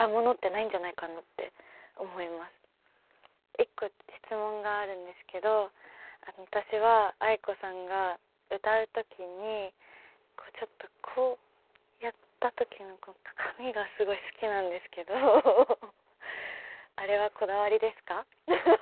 一個質問があるんですけど私はａｉｋｏさんが歌う時にちょっとこうやった時の髪がすごい好きなんですけどあれはこだわりですか？